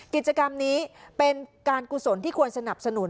กิจกรรมนี้เป็นการกุศลที่ควรสนับสนุน